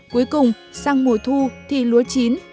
cuối cùng sang mùa thu thì lúa chín